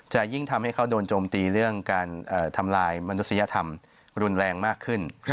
จะยิ่งทำให้เขาโดนโจมตีเรื่องการทำลายมนุษยธรรมรุนแรงมากขึ้น